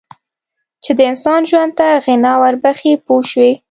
چې د انسان ژوند ته غنا ور بخښي پوه شوې!.